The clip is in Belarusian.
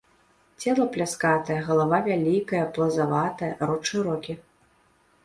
Цела пляскатае, галава вялікая, плазаватая, рот шырокі.